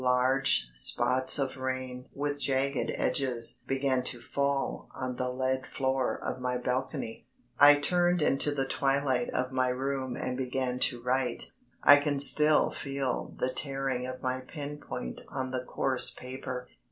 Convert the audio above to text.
Large spots of rain with jagged edges began to fall on the lead floor of my balcony. I turned into the twilight of my room and began to write. I can still feel the tearing of my pen point on the coarse paper.